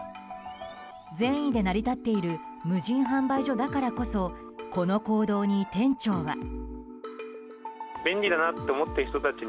善意で成り立っている無人販売所だからこそこの行動に店長は。